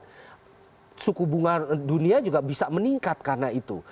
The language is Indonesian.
karena itu suku bunga dunia juga bisa meningkat karena itu